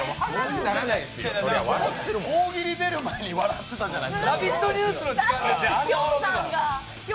大喜利出る前に笑ってたじゃないですかだってきょ